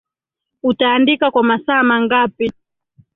Utaandika kwa masaa mangapi